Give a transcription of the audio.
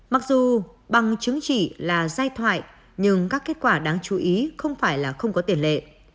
mặc dù bằng chứng chỉ là giai thoại nhưng các kết quả đáng chú ý không phải là không có tiền lệ